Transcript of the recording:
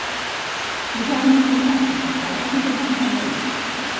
Posar-me en contacte per telèfon amb el meu marit.